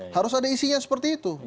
harus ada isinya seperti itu